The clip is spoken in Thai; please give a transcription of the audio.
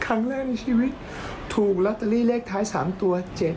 ครั้งแรกในชีวิตถูกลอตเตอรี่เลขท้าย๓ตัว๗๗